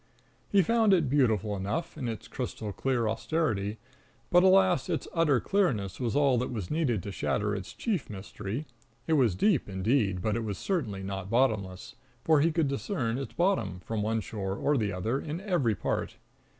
He found it beautiful enough, in its crystal clear austerity; but, alas, its utter clearness was all that was needed to shatter its chief mystery. It was deep, indeed, but it was certainly not bottomless, for he could discern its bottom, from one shore or the other, in every part.